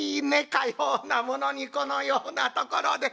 かようなものにこのようなところで。